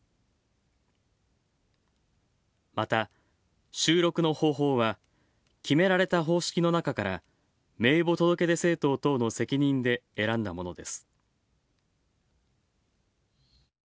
また、収録の方法は決められた方式の中から名簿届出政党等の責任で選んだものです。